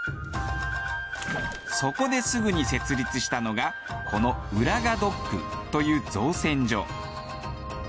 そこですぐに設立したのがこの浦賀ドックという造船所。